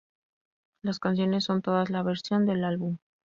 Las canciones son todas de la versión del álbum.